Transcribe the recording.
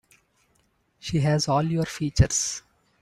She has all your features.